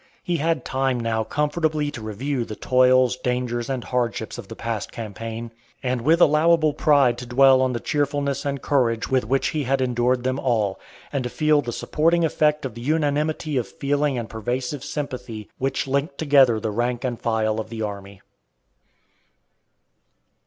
He had time now comfortably to review the toils, dangers, and hardships of the past campaign, and with allowable pride to dwell on the cheerfulness and courage with which he had endured them all; and to feel the supporting effect of the unanimity of feeling and pervasive sympathy which linked together the rank and file of the army.